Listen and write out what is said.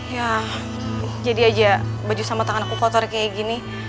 ya jadi aja baju sama tangan aku kotor kayak gini